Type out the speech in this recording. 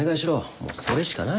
もうそれしかない。